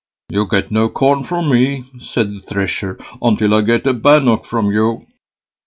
"You'll get no corn from me", said the Thresher, "until I get a bannock from you."